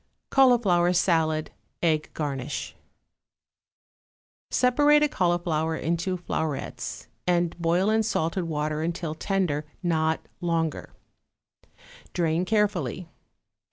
=Cauliflower Salad, Egg Garnish.= Separate a cauliflower into flowerets and boil in salted water until tender, not longer. Drain carefully.